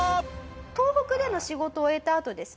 東北での仕事を終えたあとですね